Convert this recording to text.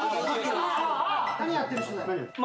何やってる人だよ。